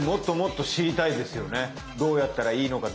どうやったらいいのか。